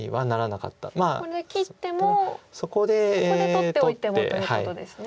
これで切ってもここで取っておいてもということですね。